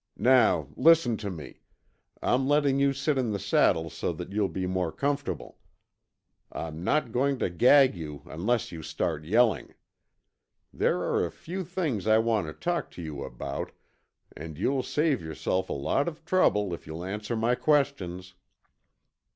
Now listen to me, I'm letting you sit in the saddle so that you'll be more comfortable. I'm not going to gag you unless you start yelling. There are a few things I want to talk to you about, and you'll save yourself a lot of trouble if you'll answer my questions."